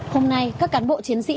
hôm nay các cán bộ chiến sĩ